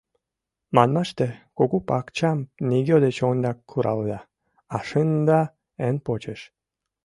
Манмаште, кугу пакчам нигӧ деч ондак куралыда, а шында эн почеш.